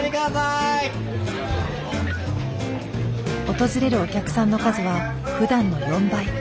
訪れるお客さんの数はふだんの４倍。